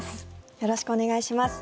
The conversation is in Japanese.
よろしくお願いします。